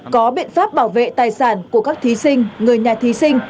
có biện pháp bảo vệ tài sản của các thí sinh người nhà thí sinh